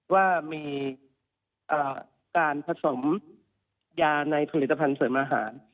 ว่ามีการผสมยาในผลิตภัณฑ์เสริมอาหาร